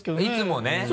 いつもね？